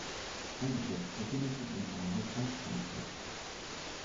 Ein Geschäft befindet sich im Bahnhof St Pancras.